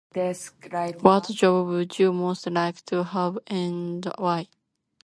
Describe- What joy would you like to most have, and why?